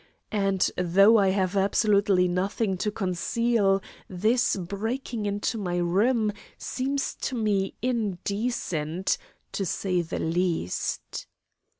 And though I have absolutely nothing to conceal, this breaking into my room seems to me indecent, to say the least.